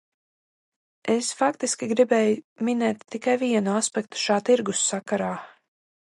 Es faktiski gribēju minēt tikai vienu aspektu šā tirgus sakarā.